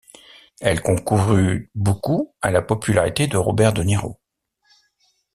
Elle concourut beaucoup à la popularité de Robert De Niro.